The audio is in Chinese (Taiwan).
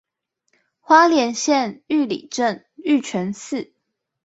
花蓮縣玉里鎮玉泉寺